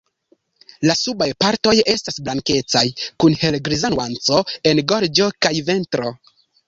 La subaj partoj estas blankecaj kun helgriza nuanco en gorĝo kaj ventro.